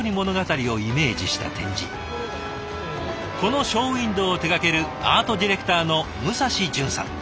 このショーウィンドーを手がけるアートディレクターの武蔵淳さん。